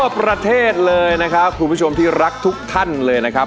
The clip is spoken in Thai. ประเทศเลยนะครับคุณผู้ชมที่รักทุกท่านเลยนะครับ